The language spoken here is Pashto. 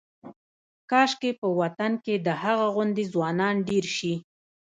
کاشکې په وطن کې د هغه غوندې ځوانان ډېر شي.